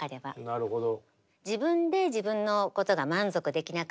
なるほど。